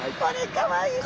かわいい！